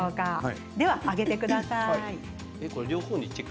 では上げてください。